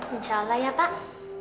insya allah ya pak